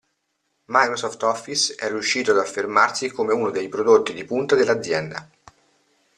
Microsoft Office è riuscito ad affermarsi come uno dei prodotti di punta dell'azienda.